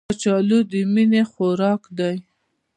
کچالو د مینې خوراک دی